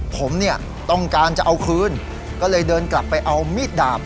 ผมเนี่ยต้องการจะเอาคืนก็เลยเดินกลับไปเอามีดดาบ